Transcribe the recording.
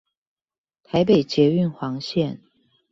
台北捷運黃線